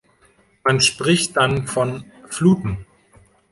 Man spricht dann von „Fluten“.